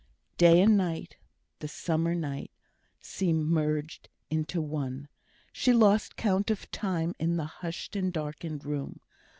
Day and night, the summer night, seemed merged into one. She lost count of time in the hushed and darkened room.